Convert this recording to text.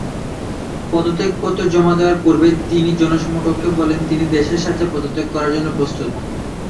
পদত্যাগ পত্র জমা দেওয়ার পূর্বে তিনি জনসমক্ষে বলেন, তিনি দেশের স্বার্থে পদত্যাগ করার জন্য প্রস্তুত।